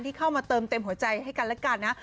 เข้ามาเติมเต็มหัวใจให้กันและกันนะ